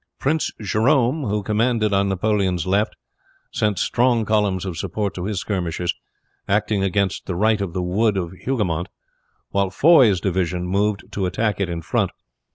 Prince Jerome, who commanded on Napoleon's left, sent strong columns of support to his skirmishers acting against the right of the wood of Hougoumont, while Foy's division moved to attack it in front.